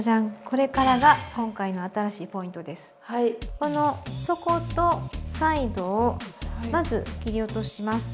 この底とサイドをまず切り落とします。